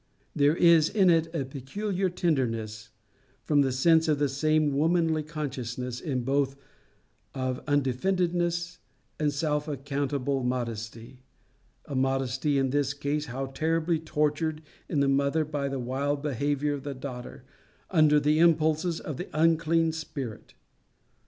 There is in it a peculiar tenderness from the sense of the same womanly consciousness in both of undefendedness and self accountable modesty a modesty, in this case, how terribly tortured in the mother by the wild behaviour of the daughter under the impulses of the unclean spirit!